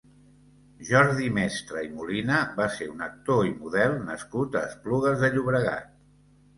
Jordi Mestre i Molina va ser un actor i model nascut a Esplugues de Llobregat.